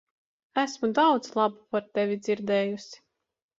Esmu daudz laba par tevi dzirdējusi.